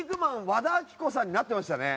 和田アキ子さんになっていましたね。